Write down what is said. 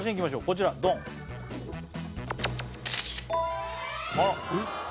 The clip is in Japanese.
こちらドンあらえっ？